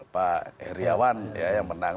pak heriawan ya yang menang